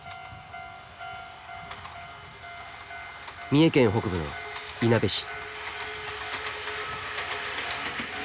三重県北部のいなべ市。